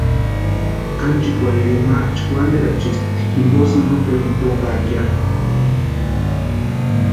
Ánchikwarhirini ma chkwanterachispti jimposïni noteru jiokaka ya.